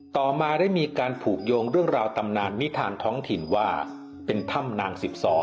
ต่อมาได้มีการผูกโยงเรื่องราวตำนานนิทานท้องถิ่นว่าเป็นถ้ำนาง๑๒